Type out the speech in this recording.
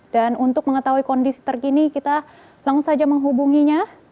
dan untuk mengetahui kondisi terkini kita langsung saja menghubunginya